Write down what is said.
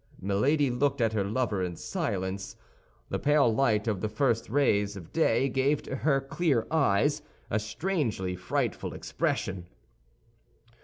Milady looked at her lover in silence. The pale light of the first rays of day gave to her clear eyes a strangely frightful expression.